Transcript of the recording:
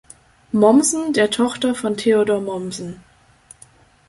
Mommsen, der Tochter von Theodor Mommsen.